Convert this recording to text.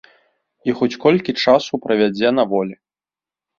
І хоць колькі часу правядзе на волі.